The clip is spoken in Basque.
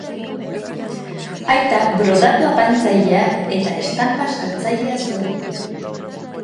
Aita brodatu-apaintzailea eta estanpa-saltzailea zuen.